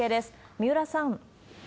三浦さん。